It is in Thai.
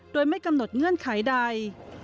โดยไม่กำหนดเงื่อนไขใด